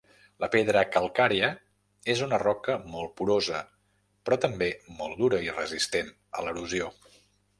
La pedra calcària és una roca molt porosa, però també molt dura i resistent a l'erosió.